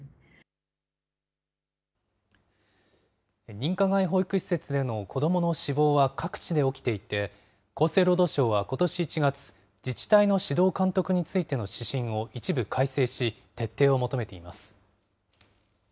認可外保育施設での子どもの死亡は各地で起きていて、厚生労働省はことし１月、自治体の指導監督についての指針を一部改正し、徹底を求めています。